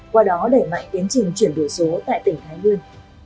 qua đó đẩy mạnh tiến trình chuyển đổi số tại tỉnh thái nguyên